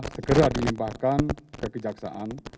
segera diimpahkan ke kejaksaan